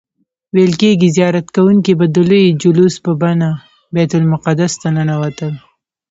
ویل کیږي زیارت کوونکي به د لوی جلوس په بڼه بیت المقدس ته ننوتل.